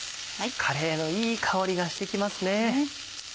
カレーのいい香りがしてきますね。